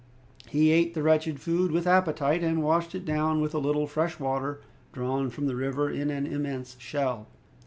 He ate the wretched food with appetite, and washed it down with a little fresh water, drawn from the river in an immense shell.